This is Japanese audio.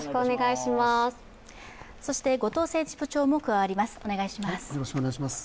そして後藤政治部長も加わります。